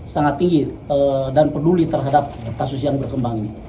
sangat tinggi dan peduli terhadap kasus yang berkembang ini